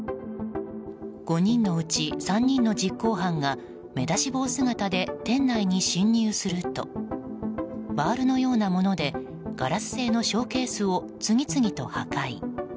５人のうち３人の実行犯が目出し帽姿で店内に侵入するとバールのようなものでガラス製のショーケースを次々と破壊。